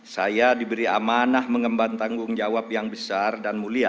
saya diberi amanah mengemban tanggung jawab yang besar dan mulia